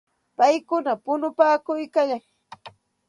Paykuna punupaakuykalkan.